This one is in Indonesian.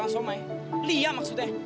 tukang somai lia maksudnya